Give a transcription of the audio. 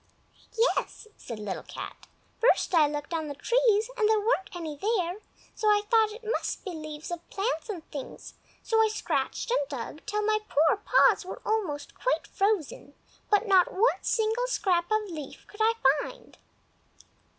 "Yes," said Little Cat. "First I looked on the trees, and there weren't any there; so I thought it must be leaves of plants and things, so I scratched and dug till my poor paws were almost quite frozen, but not one single scrap of a leaf could I find."